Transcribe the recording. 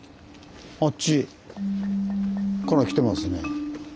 あっちからきてますね。